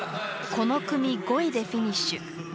この組５位でフィニッシュ。